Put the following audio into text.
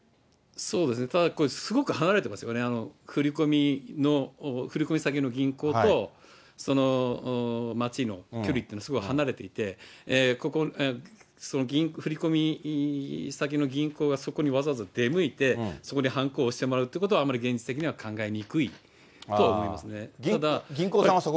そうですね、ただこれ、すごく離れてますからね、振り込み先の銀行とその町の距離っていうのが離れていて、振り込み先の銀行がそこにわざわざ出向いて、そこにはんこを押してもらうっていうのは、あまり現実的には考えにくいとは思いますね。